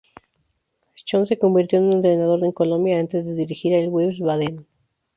Schön se convirtió en un entrenador en Colonia, antes de dirigir al Wiesbaden.